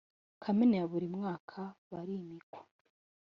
Kamena ya buri mwaka barimikwa